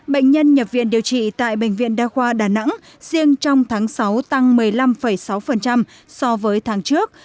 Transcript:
bệnh nhân nhập viện điều trị tại bệnh viện đa khoa đà nẵng riêng trong tháng sáu tăng một mươi năm sáu so với tháng trước